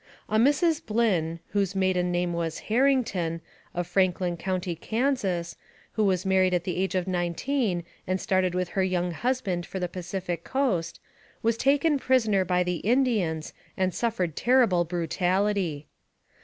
AMONG THE SIOUX INDIANS. 243 A Mrs. Blynn, whose maiden name was Harrington, of Franklin County, Kansas, who was married at the age of nineteen, and started with her young husband for the Pacific coast, was taken prisoner by the Indians and suffered terrible brutality.